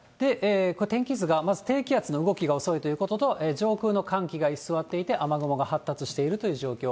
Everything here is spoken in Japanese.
天気図がまず低気圧の動きが遅いということと、上空の寒気が居座っていて雨雲が発達しているという状況。